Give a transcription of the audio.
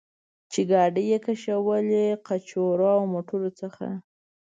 چې ګاډۍ یې کشولې، قچرو او موټرو څخه.